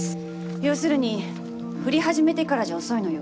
要するに降り始めてからじゃ遅いのよ。